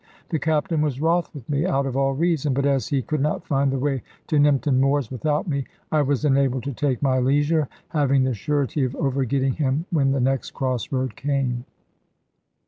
The Captain was wroth with me, out of all reason; but as he could not find the way to Nympton Moors without me, I was enabled to take my leisure, having the surety of overgetting him when the next cross road came.